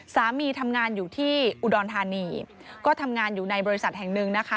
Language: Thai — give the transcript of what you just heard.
สามีทำงานอยู่ที่อุดรธานีก็ทำงานอยู่ในบริษัทแห่งหนึ่งนะคะ